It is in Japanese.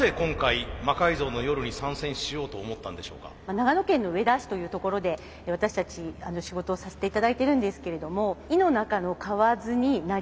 長野県の上田市という所で私たち仕事をさせていただいてるんですけれども井の中のかわずになりがち。